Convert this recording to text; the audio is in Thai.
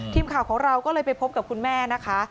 ทีมข่าวของเราก็เลยไปพบกับคุณแม่นะคะ